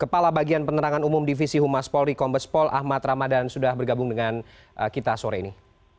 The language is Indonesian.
kepala bagian penerangan umum divisi humas polri kombespol ahmad ramadan sudah bergabung dengan kita sore ini